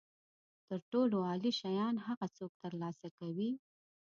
تر ټولو عالي شیان هغه څوک ترلاسه کوي.